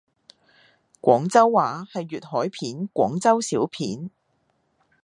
廣州話係粵海片廣州小片